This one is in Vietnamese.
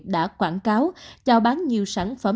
đã quảng cáo cho bán nhiều sản phẩm